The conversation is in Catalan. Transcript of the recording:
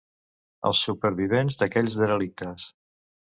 Els supervivents d’aquells derelictes.